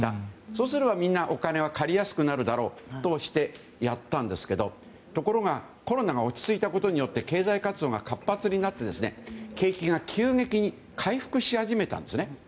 そうすればみんなお金を借りやすくなるだろうとやったんですけど、ところがコロナが落ち着いたことによって経済活動が活発になって景気が急激に回復し始めたんですね。